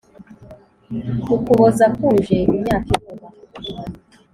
ukuboza kuje imyaka iruma